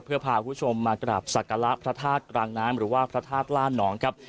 เพื่อพาคุณผู้ชมมากราบศักระพระธาตุกลางน้ำหรือว่าพระธาตุล่านองครับ